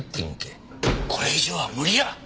これ以上は無理や！